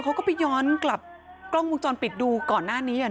เขาก็ไปย้อนกลับกล้องวงจรปิดดูก่อนหน้านี้